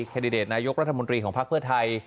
เคดด็ทนายล่ะรัฐมนตรีห์ของภาคเพื่อไทย